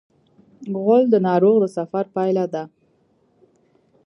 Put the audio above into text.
غول د ناروغ د سفر پایله ده.